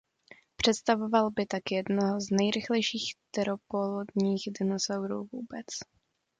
Představoval by tak jednoho z nejrychlejších teropodních dinosaurů vůbec.